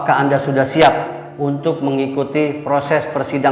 kepada saudara terdakwa elsa